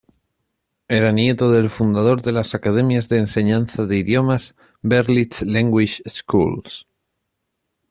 Era nieto del fundador de las academias de enseñanza de idiomas Berlitz Language Schools.